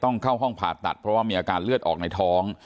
เข้าห้องผ่าตัดเพราะว่ามีอาการเลือดออกในท้อง